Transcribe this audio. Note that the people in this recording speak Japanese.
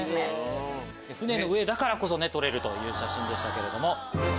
船の上だからこそ撮れるという写真でしたけれども。